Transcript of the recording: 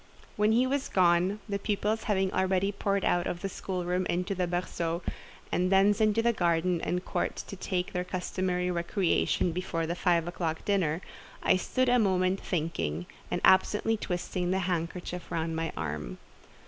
When he was gone, the pupils having already poured out of the schoolroom into the berceau, and thence into the garden and court to take their customary recreation before the five o'clock dinner, I stood a moment thinking, and absently twisting the handkerchief round my arm.